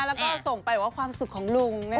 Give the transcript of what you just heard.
แล้วก็ส่งไปว่าความสุขของลุง